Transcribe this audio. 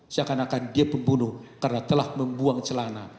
seakan akan dia pembunuh karena telah membuang celana